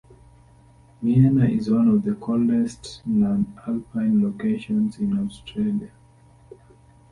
Miena is one of the coldest non-alpine locations in Australia.